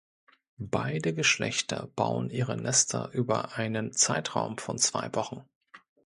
Beide Geschlechter bauen ihre Nester über einen Zeitraum von zwei Wochen.